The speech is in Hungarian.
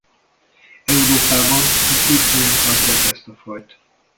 Európában csak tíz helyen tartják ezt a fajt.